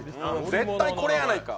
絶対これやないか。